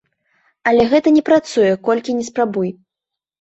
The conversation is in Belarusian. Але гэта не працуе, колькі ні спрабуй!